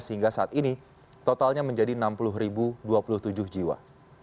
sehingga saat ini totalnya menjadi enam puluh dua puluh tujuh jiwa